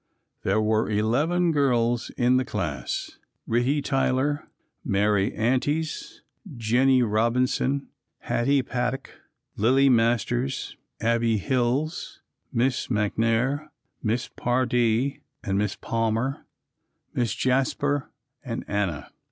There were eleven girls in the class, Ritie Tyler, Mary Antes, Jennie Robinson, Hattie Paddock, Lillie Masters, Abbie Hills, Miss McNair, Miss Pardee and Miss Palmer, Miss Jasper and Anna.